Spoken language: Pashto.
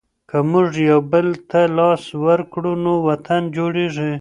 که موږ یو بل ته لاس ورکړو نو وطن جوړیږي.